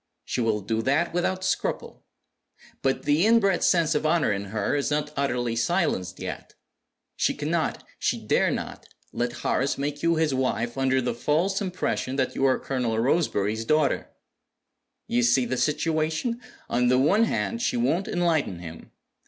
She will do that without scruple. But the inbred sense of honor in her is not utterly silenced yet. She cannot, she dare not, let Horace make you his wife under the false impression that you are Colonel Roseberry's daughter. You see the situation? On the one hand, she won't enlighten him.